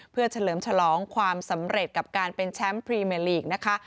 เพื่อเฉลิมฉลองความสำเร็จกับการเป็นแชมป์พรีเมลีกนะคะ